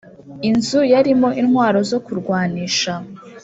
inzu yarimo intwaro zo kurwanisha,